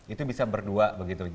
itu bisa berdua begitu